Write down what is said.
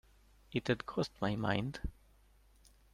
It had crossed my mind.